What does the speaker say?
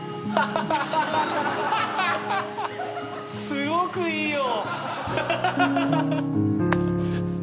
すごくいいよ。